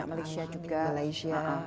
ada malaysia juga